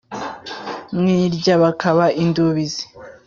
mu irya bakaba indubizi !